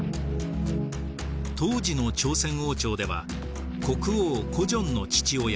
当時の朝鮮王朝では国王高宗の父親